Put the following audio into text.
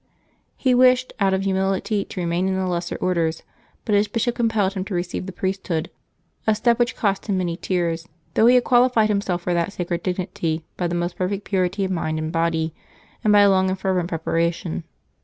He wished, out of humility, to remain in the lesser orders; but his bishop compelled him to receive the priesthood, — a step which cost him many tears, though he had qualified himself for that sacred dignity by the most perfect purity of mind and body, and by a long and fervent preparation.